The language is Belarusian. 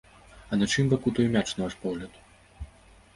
А на чыім баку той мяч, на ваш погляд?